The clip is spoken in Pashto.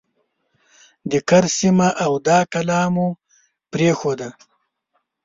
د کرز سیمه او دا کلا مو پرېښوده.